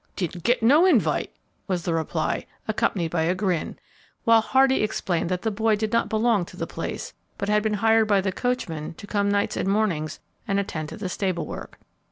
"Didn't got no invite," was the reply, accompanied by a grin, while Hardy explained that the boy did not belong to the place, but had been hired by the coachman to come nights and mornings and attend to the stable work.